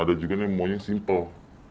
ada juga nih yang maunya simple